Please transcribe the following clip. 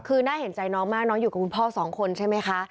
คือน่าเห็นใจน้องมากน้องอยู่กับคุณพ่อสองคนใช่ไหมคะ